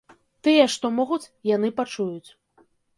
Тыя, што могуць, яны пачуюць.